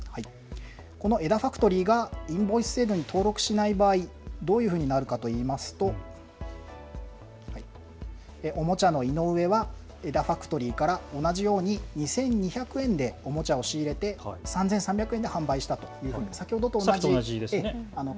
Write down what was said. この江田ファクトリーがインボイス制度に登録しない場合、どうなるかといいますとおもちゃの井上は江田ファクトリーから同じように２２００円でおもちゃを仕入れて３３００円で販売したとします。